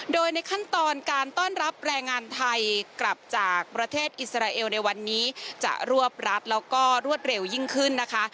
โดยในขั้นตอนการต้อนรับแรงงานไทยกลับจากประเทศอิสราเอลในวันนี้จะรวบรัดแล้วก็รวดเร็วยิ่งขึ้นนะคะ